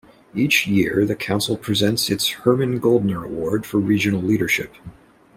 Each year the council presents its Herman Goldner Award for Regional Leadership.